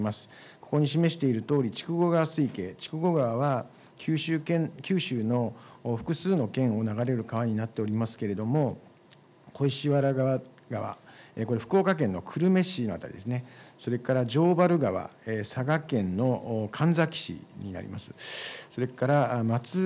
ここに示しているとおり、筑後川水系、筑後川は九州の複数の県を流れる川になっておりますけれども、小石原川、これ、福岡県の久留米市の辺りですね、それからじょうばる川、佐賀県のかんざき市にあります。